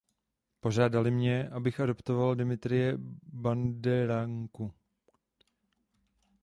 Požádali mě, abych adoptoval Dmitryje Bandarenku.